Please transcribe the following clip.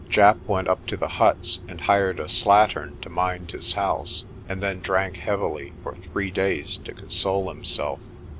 Japp went up to the huts and hired a slattern to mind his house, and then drank heavily for three days to console himself.